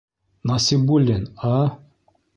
Насибуллина...